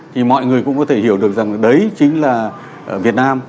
thì mọi người cũng có thể hiểu được rằng đấy chính là việt nam